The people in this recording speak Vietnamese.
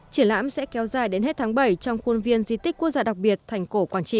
triển lãm sẽ kéo dài đến hết tháng bảy trong khuôn viên di tích quốc gia đặc biệt thành cổ quảng trị